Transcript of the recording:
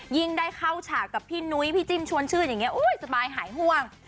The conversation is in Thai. ยิ่งได้เข้าฉากกับพี่นุ้ยพี่จิ้มชวนชื่นอย่างนี้สบายหายห่วง